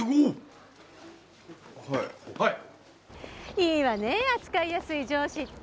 いいわね扱いやすい上司って。